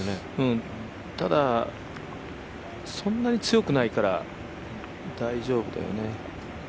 ただ、そんなに強くないから大丈夫だよね。